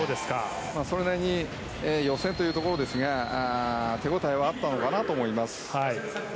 それなりに予選というところですが手応えはあったのかなと思います。